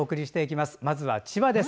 まずは千葉です。